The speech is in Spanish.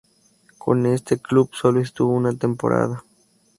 Con este club solo estuvo una temporada.